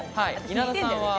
稲田さん